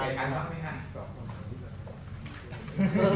คำอนุญาต